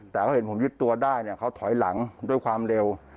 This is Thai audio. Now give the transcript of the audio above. แต่เขาเห็นผมยึดตัวได้เนี่ยเขาถอยหลังด้วยความเร็ว